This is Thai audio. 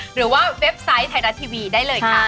หรือว่าเว็บไซต์ไทยรัฐทีวีได้เลยค่ะ